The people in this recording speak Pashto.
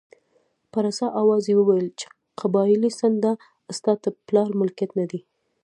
په رسا اواز یې وویل چې قبایلي څنډه ستا د پلار ملکیت نه دی.